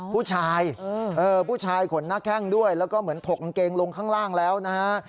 ผู้ชายผู้ชายขนหน้าแข้งด้วยแล้วก็เหมือนถกกางเกงลงข้างล่างแล้วนะฮะ